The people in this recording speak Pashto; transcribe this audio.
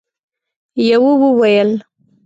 يوه وويل: